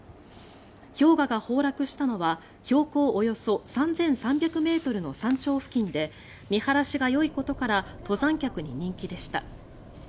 氷河が崩落したのは標高およそ３３００ｍの山頂付近で見晴らしがよいことから登山客に人気でした。